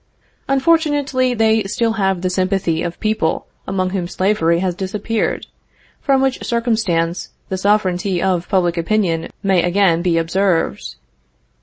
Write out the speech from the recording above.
Unfortunately they still have the sympathy of people among whom slavery has disappeared, from which circumstance the sovereignty of public opinion may again be observed.